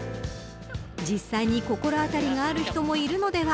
実際に心当たりがある人もいるのでは。